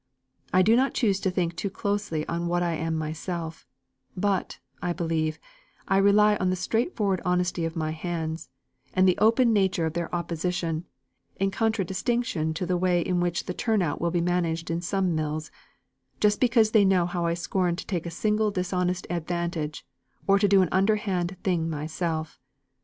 I do not choose to think too closely on what I am myself; but, I believe, I rely on the straightforward honesty of my hands, and the open nature of their opposition, in contra distinction to the way in which the turn out will be managed in some mills, just because they know I scorn to take a single dishonourable advantage, or do an underhand thing myself.